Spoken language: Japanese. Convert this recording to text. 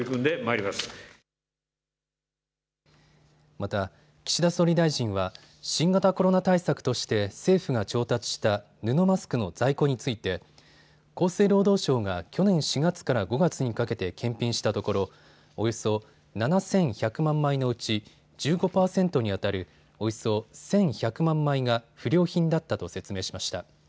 また岸田総理大臣は新型コロナ対策として政府が調達した布マスクの在庫について厚生労働省が去年４月から５月にかけて検品したところおよそ７１００万枚のうち１５％にあたるおよそ１１００万枚が不良品だったと説明しました。